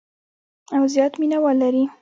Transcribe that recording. او زیات مینوال لري.